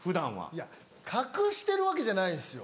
いや隠してるわけじゃないんですよ。